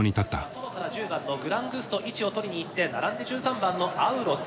外から１０番のグラングスト位置を取りにいって並んで１３番のアウロス。